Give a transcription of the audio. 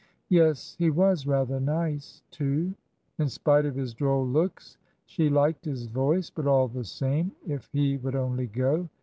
Yes, he was rather nice, too. In spite of his droll looks, she liked his voice; but, all the same, if he would only go!